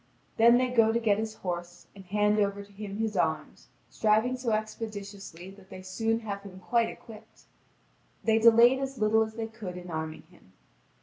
Then they go to get his horse, and hand over to him his arms, striving so expeditiously that they soon have him quite equipped. They delayed as little as they could in arming him.